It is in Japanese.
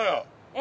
え！